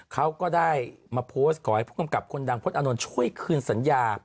เขาก็ได้มาโพสต์ขอให้ผู้กำกับคนดังพลตอานนท์ช่วยคืนสัญญา